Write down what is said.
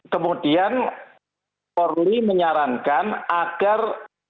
kemudian polri menyarankan agar